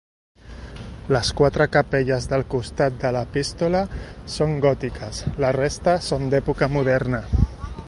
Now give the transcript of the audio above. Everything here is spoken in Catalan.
Les quatre capelles del costat de l'epístola són gòtiques, la resta són d'època moderna.